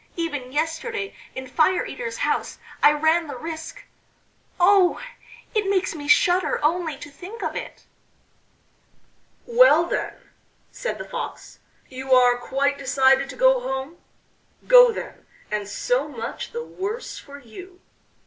Even yesterday in Fire eater's house I ran the risk.... Oh! it makes me shudder only to think of it." "Well, then," said the Fox, "you are quite decided to go home? Go, then, and so much the worse for you."